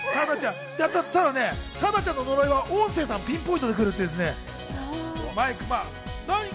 ただ貞ちゃんの呪いは音声さんにピンポイントで来るっていう。